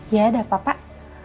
ya ada apa pak